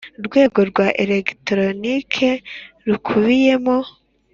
Rwego rwa elegitoronike rukubiyemo